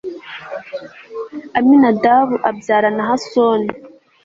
aminadabu abyara nahasoni